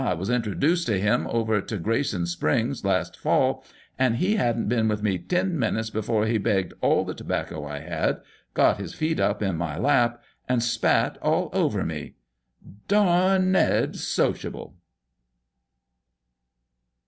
1 was introdooced to him over to Grayson Springs last fall, and he hadn't been with me ten minutes before he begged all the tobacco I had, got his feet up in my lap, and spat all over me ! Darn ec? sociable